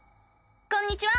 こんにちは！